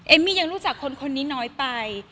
มี่ยังรู้จักคนนี้น้อยไป